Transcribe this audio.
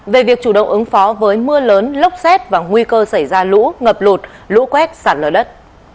về việc chủ động ứng phó với mưa lớn lốc xét và nguy cơ xảy ra lũ ngập lụt lũ quét sạt lở đất